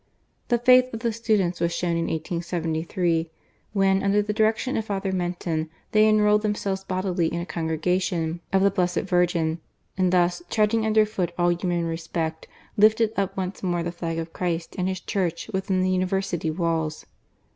The faith of the students was shown in 1873, when, under the direction of Father Menten, they enrolled themselves bodily in a Congregation of the Blessed Virgin; and thus, treading under foot all human respect, lifted up once more the flag of Christ and His Church within the University walls.